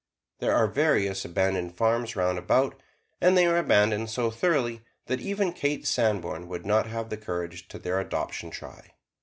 There are various abandoned farms round about, and they are abandoned so thoroughly that even Kate Sanborn would not have the courage to their adoption try.